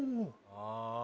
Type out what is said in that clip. ああ